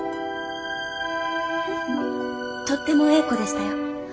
とってもええ子でしたよ。